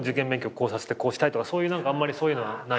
こうさせてこうしたいとかあんまりそういうのはない？